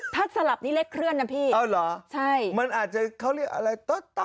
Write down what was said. ถ้าสลับนี้เล็กเคลื่อนนะพี่ใช่เอาหรอมันอาจจะเขาเรียกอะไรโต๊ด